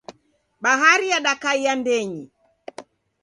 Bahari yadakaia ndenyi.